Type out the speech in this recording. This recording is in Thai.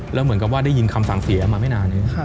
แล้วเหมือนกับว่าได้ยินคำสั่งเสียมาไม่นานเอง